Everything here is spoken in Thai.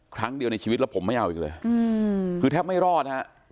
ครั้งเดียวในชีวิตแล้วผมไม่เอาอีกเลยคือแทบไม่รอดฮะ